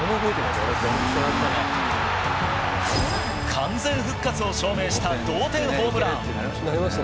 完全復活を証明した同点ホームラン。